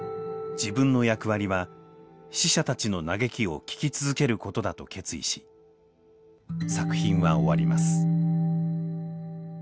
自分の役割は死者たちの嘆きを聞きつづけることだと決意し作品は終わります。